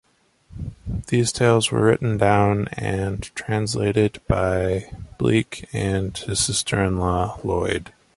These tales were written down and translated by Bleek and his sister-in-law Lloyd.